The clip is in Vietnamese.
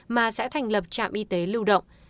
mà sẽ thành lập trạm y tế lưu động